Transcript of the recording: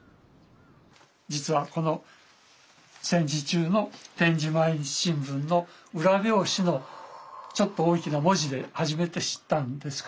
実はこの戦時中の点字毎日新聞の裏表紙のちょっと大きな文字で初めて知ったんですけども。